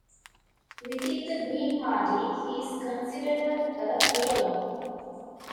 Within the Green Party, he is considered a Realo.